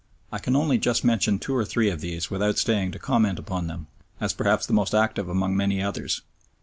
I can only just mention two or three of these without staying to comment upon them, as perhaps the most active among many others.